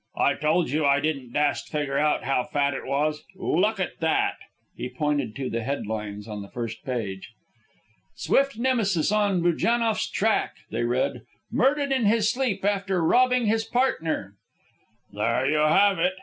"I told you I didn't dast figger out how fat it was. Look at that." He pointed to the head lines on the first page. "SWIFT NEMESIS ON BUJANNOFF'S TRACK," they read. "MURDERED IN HIS SLEEP AFTER ROBBING HIS PARTNER." "There you have it!"